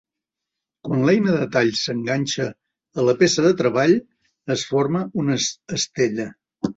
Quan l'eina de tall s'enganxa a la peça de treball, es forma una estella.